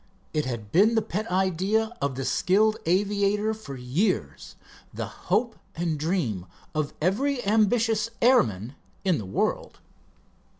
It had been the pet idea of the skilled aviator for years—the hope and dream of every ambitious airman in the world.